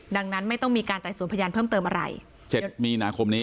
ดังนั้นไม่ต้องมีการไต่สวนพยานเพิ่มเติมอะไรเจ็ดมีนาคมนี้